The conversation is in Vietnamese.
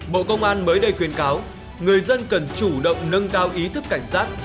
bộ công an mới đây khuyên cáo người dân cần chủ động nâng cao ý thức cảnh giác